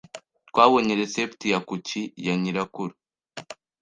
Twabonye resept ya kuki ya nyirakuru.